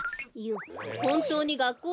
ほんとうにがっこうにいける？